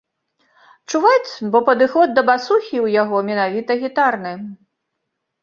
Чуваць, бо падыход да басухі ў яго менавіта гітарны.